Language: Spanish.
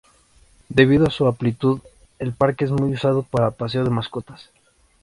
Debido a su amplitud, el parque es muy usado para paseo de mascotas.